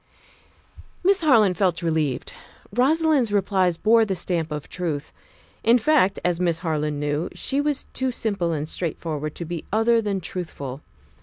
Miss Harland felt relieved. Rosalind's replies bore the stamp of truth. In fact, as Miss Harland knew, she was too simple and straightforward to be other than truthful.